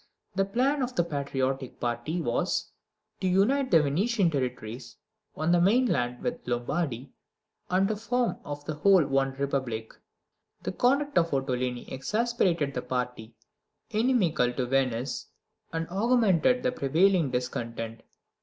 The plan of the patriotic party was, to unite the Venetian territories on the mainland with Lombardy, and to form of the whole one republic. The conduct of Ottolini exasperated the party inimical to Venice, and augmented the prevailing discontent.